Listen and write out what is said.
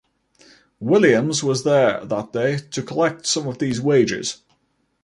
Williams was there that day to collect some of these wages.